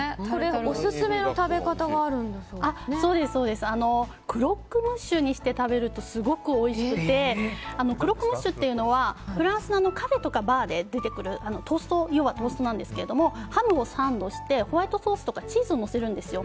オススメの食べ方がクロックムッシュにして食べるとすごくおいしくてクロックムッシュっていうのはフランスのカフェとかバーで出てくる要はトーストなんですけどハムをサンドしてホワイトソースとかチーズをのせるんですよ。